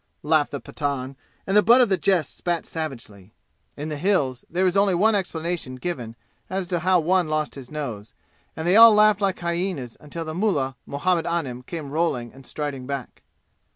laughed the Pathan, and the butt of the jest spat savagely. In the "Hills" there is only one explanation given as to how one lost his nose, and they all laughed like hyenas until the mullah Muhammad Anim came rolling and striding back.